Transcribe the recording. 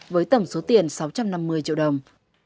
với tổng số tiền sáu trăm năm mươi triệu đồng